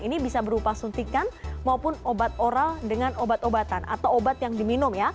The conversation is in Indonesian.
ini bisa berupa suntikan maupun obat oral dengan obat obatan atau obat yang diminum ya